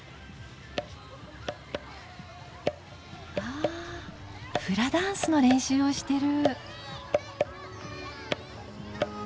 あフラダンスの練習をしてる。